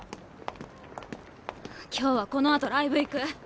今日はこのあとライブ行く。